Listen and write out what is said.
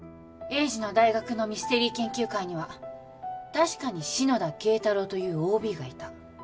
栄治の大学のミステリー研究会には確かに篠田敬太郎というＯＢがいた。